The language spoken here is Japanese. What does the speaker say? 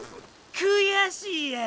悔しいやろ？